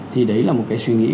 thì đấy là một cái suy nghĩ